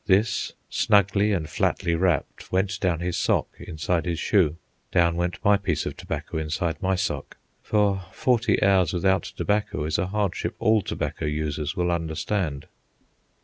This, snugly and flatly wrapped, went down his sock inside his shoe. Down went my piece of tobacco inside my sock, for forty hours without tobacco is a hardship all tobacco users will understand.